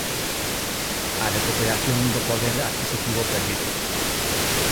A recuperación do poder adquisitivo perdido.